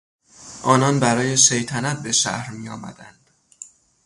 آنان برای شیطنت به شهر میآمدند.